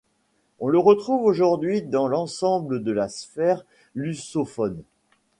On le retrouve aujourd'hui dans l'ensemble de la sphère lusophone.